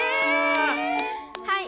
はい！